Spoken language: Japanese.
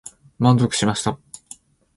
満足しました。